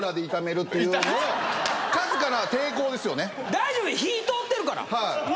大丈夫火通ってるから。